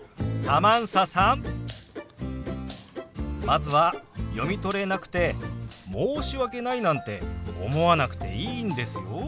まずは読み取れなくて申し訳ないなんて思わなくていいんですよ。